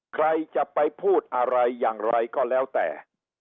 ใครจะไปพูดอะไรอย่างไรก็แล้วแต่